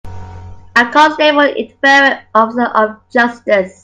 A constable an inferior officer of justice.